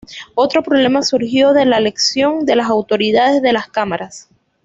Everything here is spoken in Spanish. Otro problema surgió de la elección de las autoridades de las cámaras.